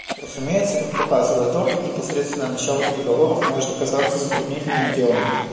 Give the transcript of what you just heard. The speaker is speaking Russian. Разумеется, как показывает опыт, непосредственное начало переговоров может оказаться затруднительным делом.